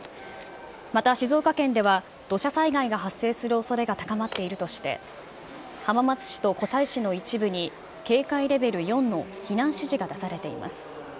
また静岡県では土砂災害が発生するおそれが高まっているとして、浜松市と湖西市の一部に警戒レベル４の避難指示が出されています。